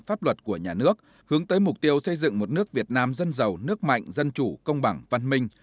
pháp luật của nhà nước hướng tới mục tiêu xây dựng một nước việt nam dân giàu nước mạnh dân chủ công bằng văn minh